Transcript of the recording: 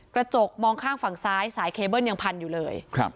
กระจกมองข้างฝั่งซ้ายสายเคเบิ้ลยังพันอยู่เลย